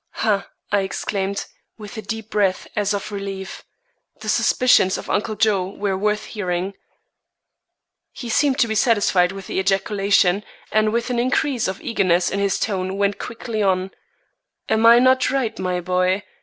"Ha!" I exclaimed, with a deep breath as of relief. The suspicions of Uncle Joe were worth hearing. He seemed to be satisfied with the ejaculation, and with an increase of eagerness in his tone, went quickly on: "Am I not right, my boy?